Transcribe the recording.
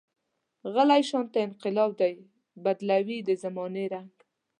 غلی شانته انقلاب دی، بدلوي د زمانې رنګ.